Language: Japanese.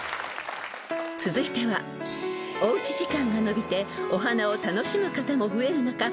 ［続いてはおうち時間がのびてお花を楽しむ方も増える中